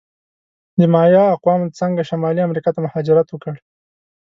د مایا اقوامو څنګه شمالي امریکا ته مهاجرت وکړ؟